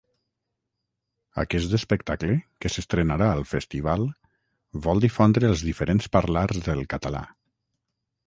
Aquest espectacle, que s’estrenarà al festival, vol difondre els diferents parlars del català.